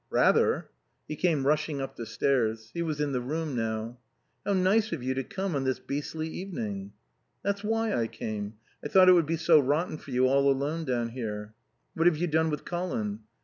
"Rather." He came rushing up the stairs. He was in the room now. "How nice of you to come on this beastly evening." "That's why I came. I thought it would be so rotten for you all alone down here." "What have you done with Colin?"